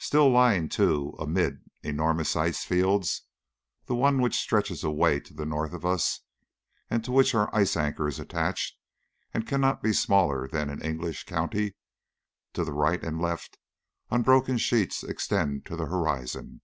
Still lying to amid enormous ice fields. The one which stretches away to the north of us, and to which our ice anchor is attached, cannot be smaller than an English county. To the right and left unbroken sheets extend to the horizon.